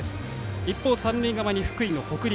一方、三塁側に福井の北陸